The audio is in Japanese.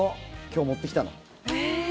今日、持ってきたの。